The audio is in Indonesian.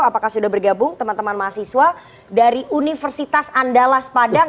apakah sudah bergabung teman teman mahasiswa dari universitas andalas padang